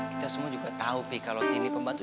kita semua juga tahu pi kalo tini pembantu